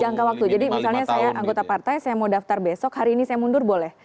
jangka waktu jadi misalnya saya anggota partai saya mau daftar besok hari ini saya mundur boleh